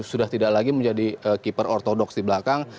sudah tidak lagi menjadi keeper ortodoks di belakang